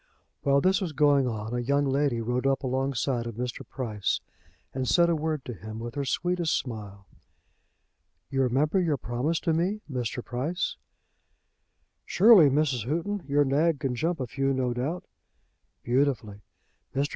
While this was going on a young lady rode up along side of Mr. Price, and said a word to him with her sweetest smile. "You remember your promise to me, Mr. Price?" "Surely, Mrs. Houghton. Your nag can jump a few, no doubt." "Beautifully. Mr.